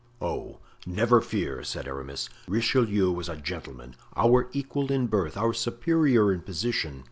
"Oh! never fear," said Aramis. "Richelieu was a gentleman, our equal in birth, our superior in position.